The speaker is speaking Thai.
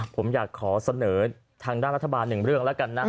ผมอยากขอเสนอทางด้านรัฐบาลหนึ่งเรื่องแล้วกันนะ